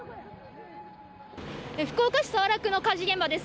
福岡市早良区の火事現場です。